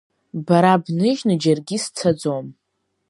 Бара бныжьны џьаргьы сцаӡом!